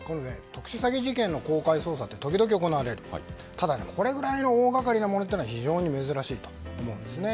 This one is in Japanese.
特殊詐欺事件の公開捜査は時々行われますがただ、これぐらいの大掛かりなものというのは非常に珍しいと思うんですね。